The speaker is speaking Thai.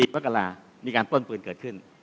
๔วักกะลามีการป้นปืนเกิดขึ้น